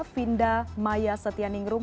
finda maya setianingrum